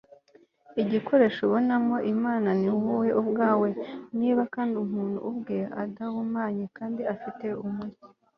igikoresho ubonamo imana ni wowe ubwawe niba kandi umuntu ubwe adahumanye kandi afite umucyo